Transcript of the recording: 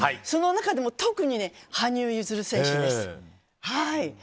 その中でも特に羽生結弦選手です。